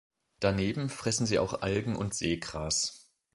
Daneben fressen sie auch Algen und Seegras.